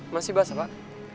masih basah pak